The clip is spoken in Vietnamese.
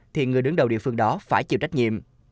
thì người đứng đầu địa phương đó phải chịu trách nhiệm